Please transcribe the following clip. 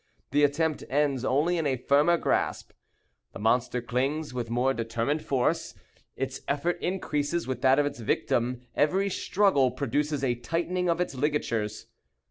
The attempt ends only in a firmer grasp. The monster clings with more determined force. Its effort increases with that of its victim; every struggle produces a tightening of its ligatures.